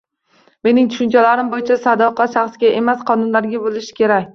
Mening tushunchalarim bo‘yicha sadoqat shaxsga emas, qonunlarga bo‘lishi kerak.